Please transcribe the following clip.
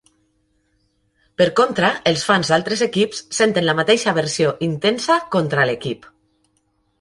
Per contra, els fans d'altres equips senten la mateixa aversió intensa contra l'equip.